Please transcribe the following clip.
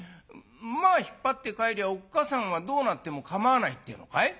馬引っ張って帰りゃあおっかさんがどうなっても構わないっていうのかい？